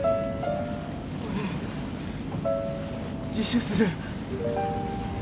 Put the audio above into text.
俺自首する